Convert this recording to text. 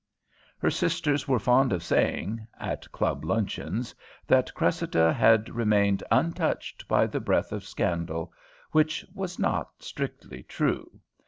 Her sisters were fond of saying at club luncheons that Cressida had remained "untouched by the breath of scandal," which was not strictly true.